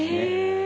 え！